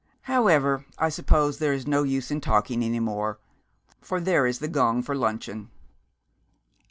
However, I suppose there is no use in talking any more; for there is the gong for luncheon.'